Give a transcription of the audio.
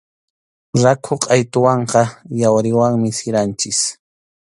Rakhu qʼaytuwanqa yawriwanmi siranchik.